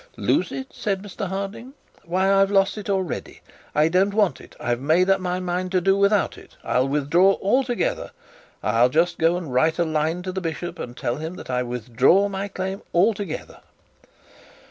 'Lose it!' said Mr Harding; 'why I've lost it already. I don't want it. I've made up my mind to do without it. I'll withdraw altogether. I'll just go and write a line to the bishop and tell him that I withdraw my claim altogether.'